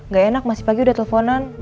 gak enak masih pagi udah teleponan